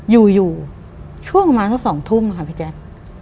อยู่ช่วงมาตั้ง๒ถุ่มนะคะพี่แจ๊ค